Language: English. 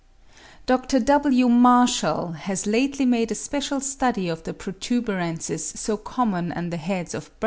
Dr. W. Marshall has lately made a special study of the protuberances so common on the heads of birds (43.